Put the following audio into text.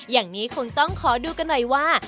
อย่างนี้คงต้องขอดูกันหน่อยว่า